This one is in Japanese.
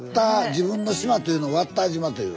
自分の島っていうの「わった島」という。